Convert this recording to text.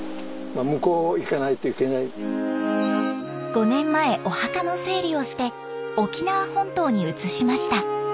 ５年前お墓の整理をして沖縄本島に移しました。